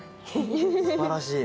すばらしい。